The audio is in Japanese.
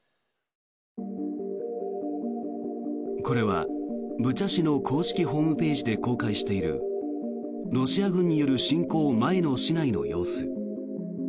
これはブチャ市の公式ホームページで公開しているロシア軍による侵攻前の市内の様子。